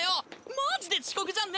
マジで遅刻じゃんね！